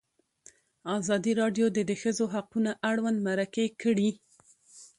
ازادي راډیو د د ښځو حقونه اړوند مرکې کړي.